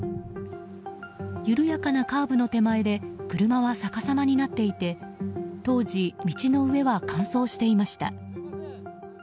緩やかなカーブの手前で車はさかさまになっていて当時、道の上は乾燥していました。